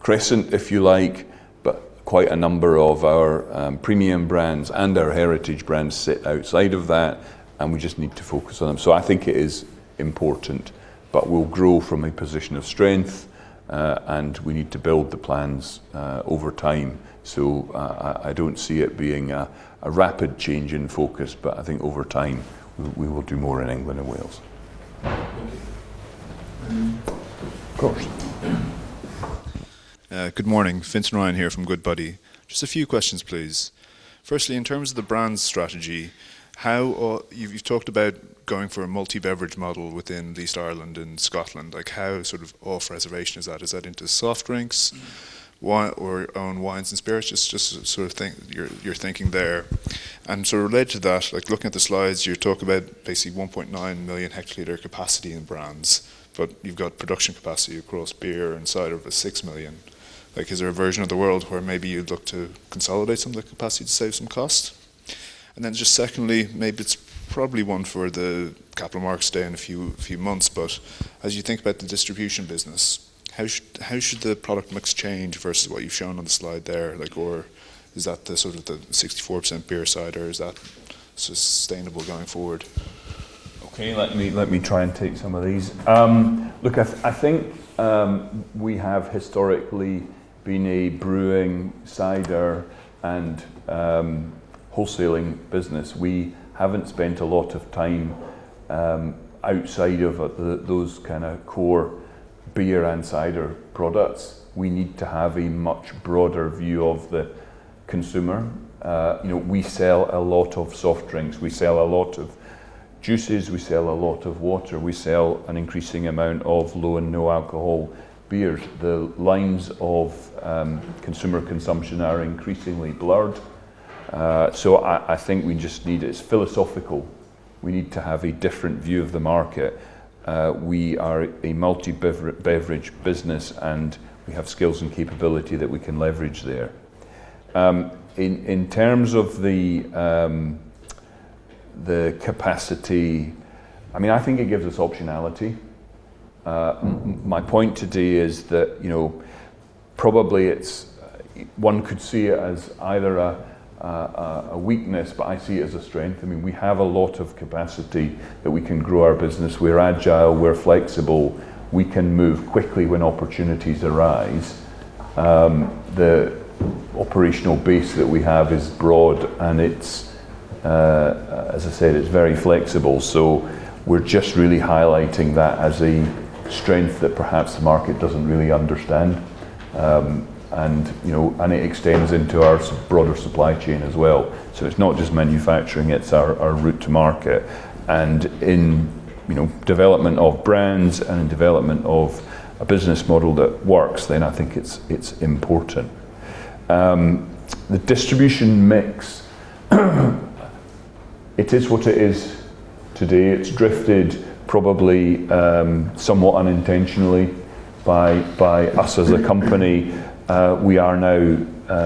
Crescent, if you like, but quite a number of our premium brands and our heritage brands sit outside of that, and we just need to focus on them. I think it is important, but we'll grow from a position of strength, and we need to build the plans over time. I don't see it being a rapid change in focus, but I think over time we will do more in England and Wales. Thank you. Of course. Good morning. Fintan Ryan here from Goodbody. Just a few questions, please. Firstly, in terms of the brands strategy, you've talked about going for a multi-beverage model within East Ireland and Scotland. Like, how sort of off-reservation is that? Is that into soft drinks, or own wines and spirits? Your, your thinking there. Sort of related to that, like, looking at the slides, you talk about basically 1.9 million hectoliter capacity in brands, but you've got production capacity across beer and cider of 6 million. Like, is there a version of the world where maybe you'd look to consolidate some of the capacity to save some cost? Just secondly, maybe it's probably one for the Capital Markets Day in a few months, but as you think about the distribution business, how should the product mix change versus what you've shown on the slide there? Like, or is that the sort of the 64% beer side, or is that sustainable going forward? Okay. Let me try and take some of these. Look, I think we have historically been a brewing cider and wholesaling business. We haven't spent a lot of time outside of those kind of core beer and cider products. We need to have a much broader view of the consumer. You know, we sell a lot of soft drinks. We sell a lot of juices. We sell a lot of water. We sell an increasing amount of low and no alcohol beers. The lines of consumer consumption are increasingly blurred. I think we just need It's philosophical. We need to have a different view of the market. We are a multi-beverage business, and we have skills and capability that we can leverage there. In terms of the capacity, I mean, I think it gives us optionality. My point today is that, you know, probably one could see it as either a weakness, but I see it as a strength. I mean, we have a lot of capacity that we can grow our business. We're agile, we're flexible. We can move quickly when opportunities arise. The operational base that we have is broad and it's, as I said, it's very flexible. We're just really highlighting that as a strength that perhaps the market doesn't really understand. You know, it extends into our broader supply chain as well. It's not just manufacturing, it's our route to market. In, you know, development of brands and development of a business model that works, I think it's important. The distribution mix, it is what it is today. It's drifted probably, somewhat unintentionally by us as a company. We are now,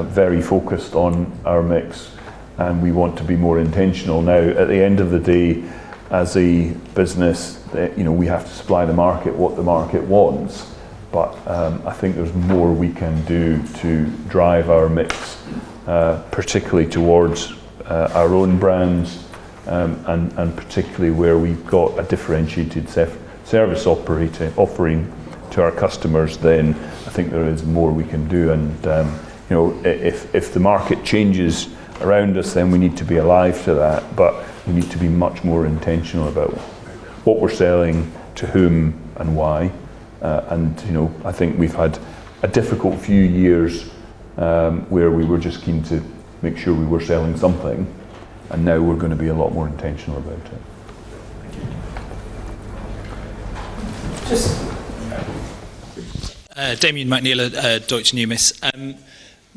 very focused on our mix, and we want to be more intentional. At the end of the day, as a business, you know, we have to supply the market what the market wants. I think there's more we can do to drive our mix, particularly towards, our own brands, and particularly where we've got a differentiated self-service operate-offering to our customers, then I think there is more we can do. You know, if the market changes around us, then we need to be alive to that, but we need to be much more intentional about what we're selling, to whom, and why. You know, I think we've had a difficult few years, where we were just keen to make sure we were selling something, and now we're gonna be a lot more intentional about it. Thank you. Of course. Yeah. Damian McNeela at Deutsche Numis.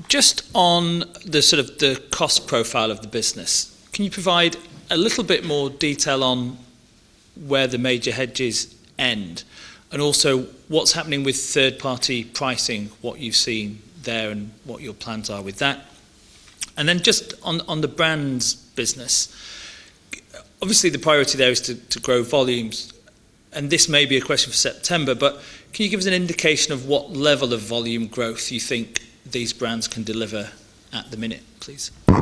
Just on the sort of the cost profile of the business, can you provide a little bit more detail on where the major hedges end? Also, what's happening with third-party pricing, what you've seen there and what your plans are with that? Just on the brands business, obviously, the priority there is to grow volumes, and this may be a question for September, but can you give us an indication of what level of volume growth you think these brands can deliver at the minute, please? Do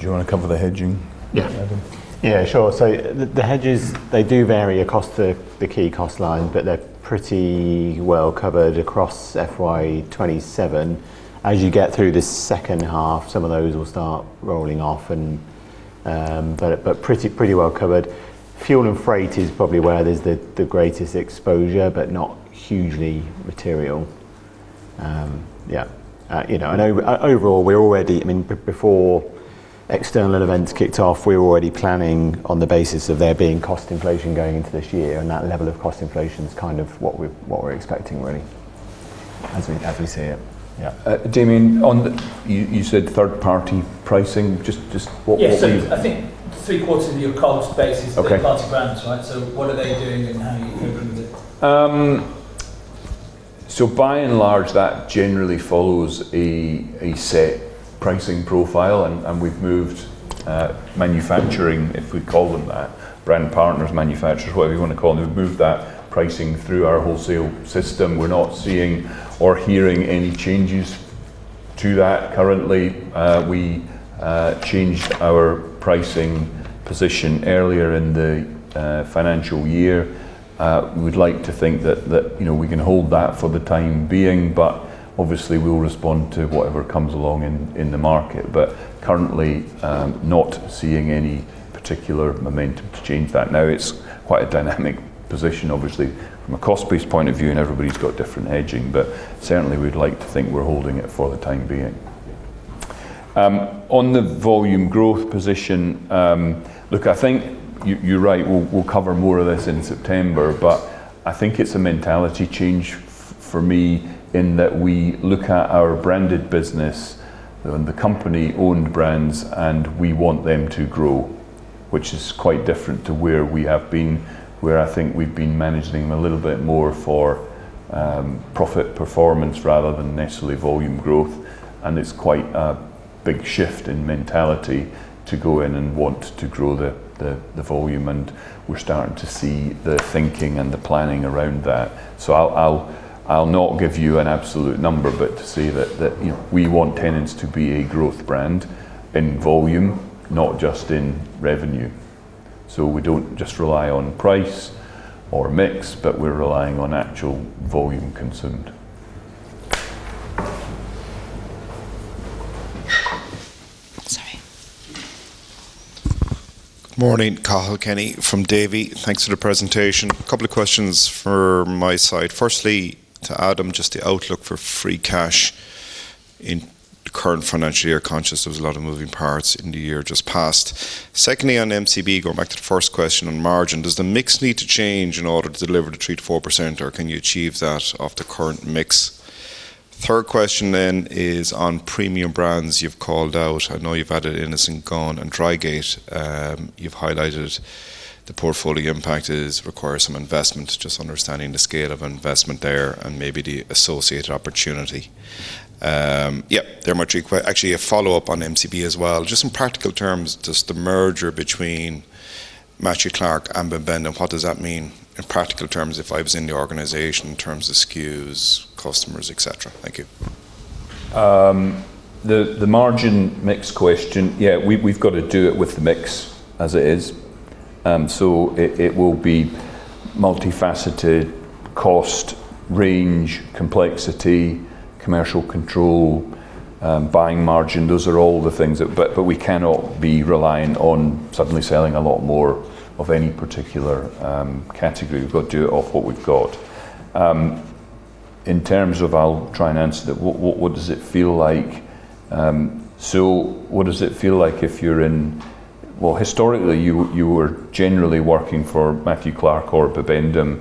you wanna cover the hedging- Yeah Adam? Yeah, sure. The hedges, they do vary across the key cost line, but they're pretty well covered across FY 2027. As you get through the second half, some of those will start rolling off and, but pretty well covered. Fuel and freight is probably where there's the greatest exposure, but not hugely material. Yeah. You know, and overall, we're already I mean, before external events kicked off, we were already planning on the basis of there being cost inflation going into this year, and that level of cost inflation is kind of what we're expecting really, as we see it. Yeah. Damian, You said third-party pricing. Just what were you- Yeah. I think three-quarters of your cost base is Okay third-party brands, right? What are they doing and how are you coping with it? By and large, that generally follows a set pricing profile and we've moved manufacturing, if we call them that, brand partners, manufacturers, whatever you want to call them, we've moved that pricing through our wholesale system. We're not seeing or hearing any changes to that currently. We changed our pricing position earlier in the financial year. We'd like to think that, you know, we can hold that for the time being, but obviously we'll respond to whatever comes along in the market. Currently, not seeing any particular momentum to change that. It's quite a dynamic position obviously from a cost base point of view, and everybody's got different hedging, but certainly we'd like to think we're holding it for the time being. On the volume growth position, look, I think you're right. We'll cover more of this in September. I think it's a mentality change for me in that we look at our branded business and the company owned brands and we want them to grow, which is quite different to where we have been, where I think we've been managing them a little bit more for profit performance rather than necessarily volume growth. It's quite a big shift in mentality to go in and want to grow the volume. We're starting to see the thinking and the planning around that. I'll not give you an absolute number to say that, you know, we want Tennent's to be a growth brand in volume, not just in revenue. We don't just rely on price or mix. We're relying on actual volume consumed. Sorry. Morning. Cathal Kenny from Davy. Thanks for the presentation. A couple of questions from my side. Firstly, to Adam, just the outlook for free cash in the current financial year. Conscious there was a lot of moving parts in the year just past. Secondly, on MCB, going back to the first question on margin, does the mix need to change in order to deliver the 3%-4%, or can you achieve that off the current mix? Third question then is on premium brands you've called out. I know you've added Innis & Gunn and Drygate. You've highlighted the portfolio impact is require some investment. Just understanding the scale of investment there and maybe the associated opportunity. Yeah, they're my three actually a follow-up on MCB as well. Just in practical terms, does the merger between Matthew Clark and Bibendum, what does that mean in practical terms if I was in the organization in terms of SKUs, customers, et cetera? Thank you. The margin mix question, yeah, we've gotta do it with the mix as it is. It will be multifaceted cost, range, complexity, commercial control, buying margin. Those are all the things that We cannot be reliant on suddenly selling a lot more of any particular category. We've got to do it off what we've got. In terms of I'll try and answer that. What does it feel like, so what does it feel like if you're in Well, historically you were generally working for Matthew Clark or Bibendum.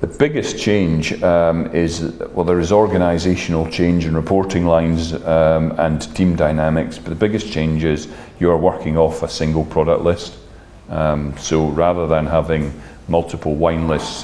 The biggest change is Well, there is organizational change in reporting lines, and team dynamics, but the biggest change is you're working off a single product list. Rather than having multiple wine lists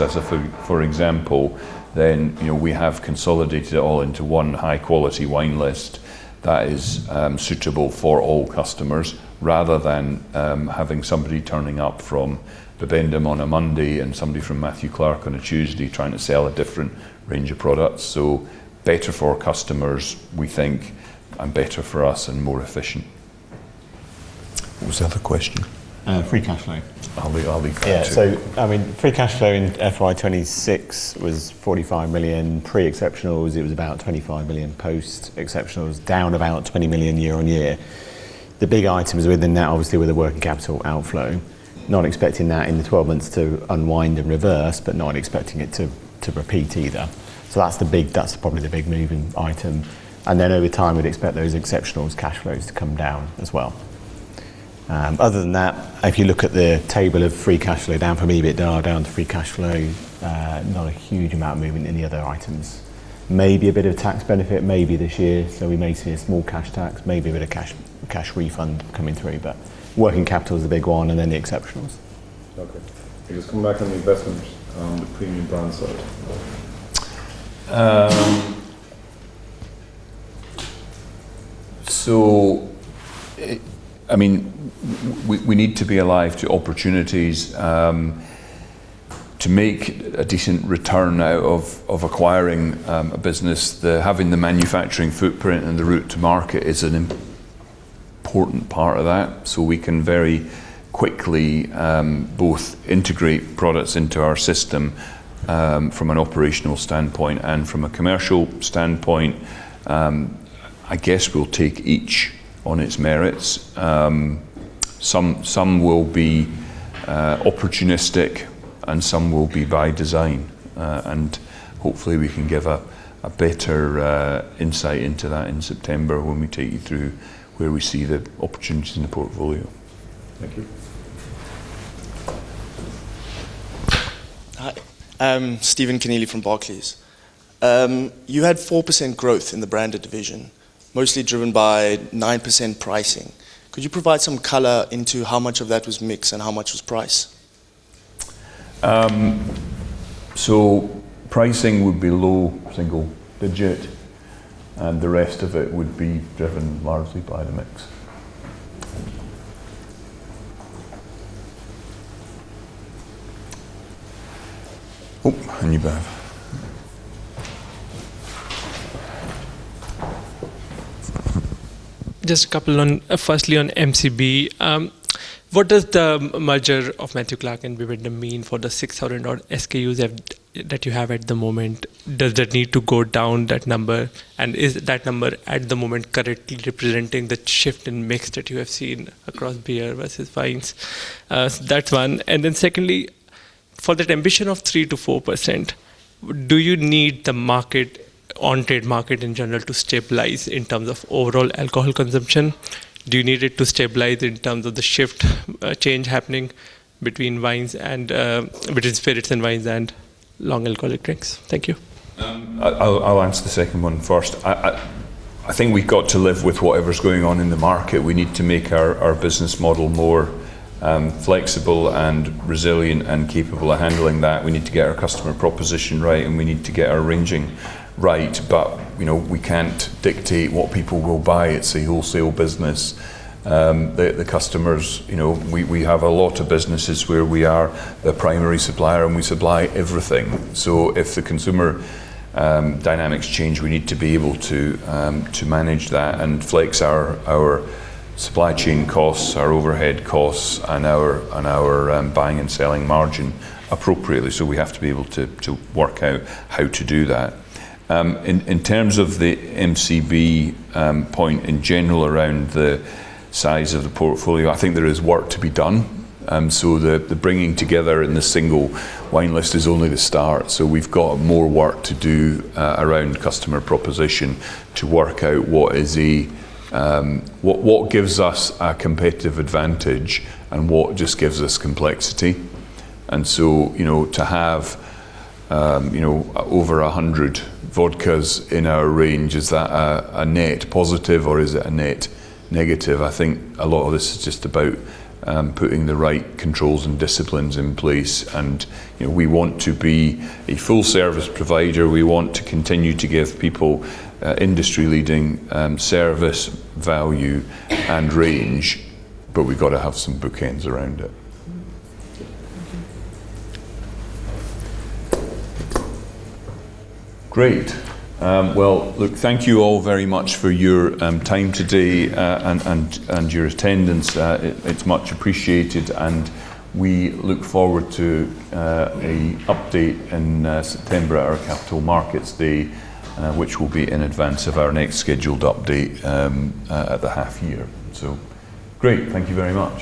for example, you know, we have consolidated it all into one high quality wine list that is suitable for all customers rather than having somebody turning up from Bibendum on a Monday and somebody from Matthew Clark on a Tuesday trying to sell a different range of products. Better for our customers, we think, and better for us and more efficient. What was the other question? Free cash flow. I'll leave that to you. I mean, free cash flow in FY 2026 was 45 million. Pre-exceptional was about 25 million. Post-exceptional was down about 20 million year-on-year. The big items within that obviously were the working capital outflow. Not expecting that in the 12 months to unwind and reverse, but not expecting it to repeat either. That's the big that's probably the big moving item. Over time, we'd expect those exceptionals cash flows to come down as well. Other than that, if you look at the table of free cash flow down from EBITDA down to free cash flow, not a huge amount of movement in the other items. Maybe a bit of tax benefit maybe this year, so we may see a small cash tax, maybe a bit of cash refund coming through. Working capital is the big one and then the exceptionals. Okay. Just coming back on the investment on the premium brand side. I mean, we need to be alive to opportunities to make a decent return out of acquiring a business. The having the manufacturing footprint and the route to market is an important part of that. We can very quickly both integrate products into our system from an operational standpoint and from a commercial standpoint. I guess we'll take each on its merits. Some, some will be opportunistic and some will be by design. Hopefully we can give a better insight into that in September when we take you through where we see the opportunities in the portfolio. Thank you. Hi. Stephen Kennealy from Barclays. You had 4% growth in the branded division, mostly driven by 9% pricing. Could you provide some color into how much of that was mix and how much was price? Pricing would be low single digit, and the rest of it would be driven largely by the mix. You, Clive. Just a couple on, firstly on MCB. What does the merger of Matthew Clark and Bibendum mean for the 600 odd SKUs that you have at the moment? Does that need to go down that number? Is that number at the moment correctly representing the shift in mix that you have seen across beer versus wines? So that's one. Secondly, for that ambition of 3%-4%, do you need the on-trade market in general to stabilize in terms of overall alcohol consumption? Do you need it to stabilize in terms of the shift, change happening between wines and, between spirits and wines and long alcoholic drinks? Thank you. I'll, I'll answer the second one first. I, I think we've got to live with whatever's going on in the market. We need to make our business model more flexible and resilient and capable of handling that. We need to get our customer proposition right, and we need to get our ranging right. You know, we can't dictate what people will buy. It's a wholesale business. The, the customers, you know, we have a lot of businesses where we are the primary supplier, and we supply everything. If the consumer dynamics change, we need to be able to manage that and flex our supply chain costs, our overhead costs, and our, and our buying and selling margin appropriately. We have to be able to work out how to do that. In terms of the MCB point in general around the size of the portfolio, I think there is work to be done. The bringing together in the single wine list is only the start. We've got more work to do around customer proposition to work out what is the what gives us a competitive advantage and what just gives us complexity. You know, to have, you know, over 100 vodkas in our range, is that a net positive or is it a net negative? I think a lot of this is just about putting the right controls and disciplines in place. You know, we want to be a full-service provider. We want to continue to give people industry-leading service, value, and range, but we've gotta have some bookends around it. Mm-hmm. Mm-hmm. Great. Well, look, thank you all very much for your time today, and your attendance. It's much appreciated. We look forward to a update in September at our Capital Markets Day, which will be in advance of our next scheduled update at the half year. Great. Thank you very much